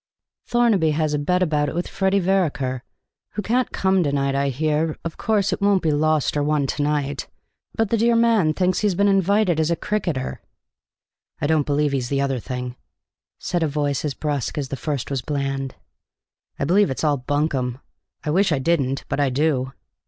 "Thornaby has a bet about it with Freddy Vereker, who can't come, I hear. Of course, it won't be lost or won to night. But the dear man thinks he's been invited as a cricketer!" "I don't believe he's the other thing," said a voice as brusque as the first was bland. "I believe it's all bunkum. I wish I didn't, but I do!"